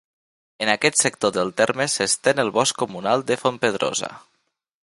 En aquest sector del terme s'estén el Bosc Comunal de Fontpedrosa.